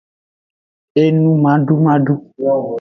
Enumadumadu.